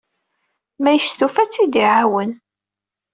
Ma yestufa, ad tt-iɛawen.